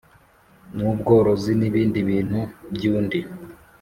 n ubworozi n ibindi bintu by undi